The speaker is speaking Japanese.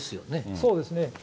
そうですね。